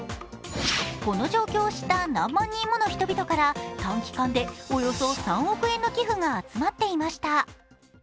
この状況を知った何万人もの人から短期間でおよそ３億円の寄付が集まっていました。